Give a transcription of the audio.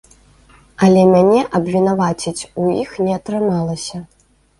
Але мяне абвінаваціць у іх не атрымалася.